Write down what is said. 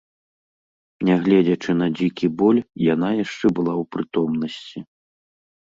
Нягледзячы на дзікі боль, яна яшчэ была ў прытомнасці.